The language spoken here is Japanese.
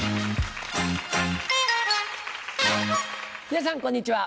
皆さんこんにちは。